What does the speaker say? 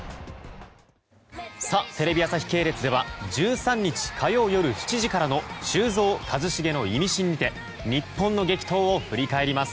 テレビ朝日系列では１３日、火曜夜７時からの「修造＆一茂のイミシン」にて日本の激闘を振り返ります。